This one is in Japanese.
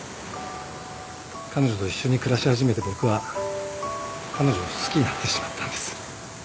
彼女と一緒に暮らし始めて僕は彼女を好きになってしまったんです。